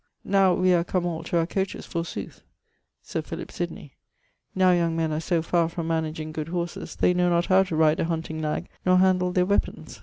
Now we are come all to our coaches forsooth! (Sir Philip Sydney). Now young men are so farre from managing good horses, they know not how to ride a hunting nag nor handle their weapons.